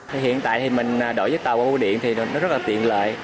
hiện tại mình đổi giấy tàu qua bu điện thì rất là tiện lợi